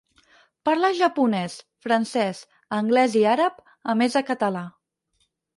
Parla japonès, francès, anglès i àrab, a més de català.